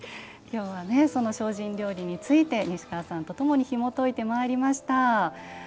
今日は精進料理について西川さんとともにひもといてまいりました。